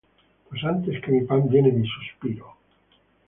Pues antes que mi pan viene mi suspiro;